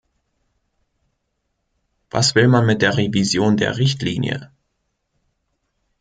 Was will man mit der Revision der Richtlinie?